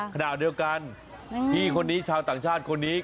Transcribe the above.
ขณะเดียวกันพี่คนนี้ชาวต่างชาติคนนี้